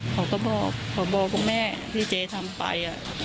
เขาก็บอกบอกว่าแม่ที่เจ๊ทำไป